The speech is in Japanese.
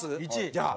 じゃあ。